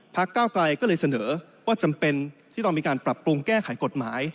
ก้าวไกลก็เลยเสนอว่าจำเป็นที่ต้องมีการปรับปรุงแก้ไขกฎหมาย